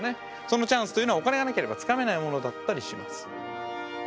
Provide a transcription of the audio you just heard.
そのチャンスというのはお金がなければつかめないものだったりします。